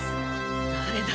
誰だ？